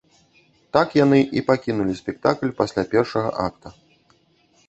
Так яны і пакінулі спектакль пасля першага акта.